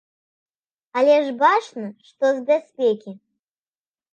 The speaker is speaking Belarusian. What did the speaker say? Але ж бачна, што з бяспекі.